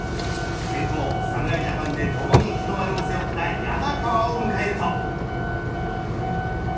先頭、侍ジャパンで共に日の丸を背負った山川を迎えると。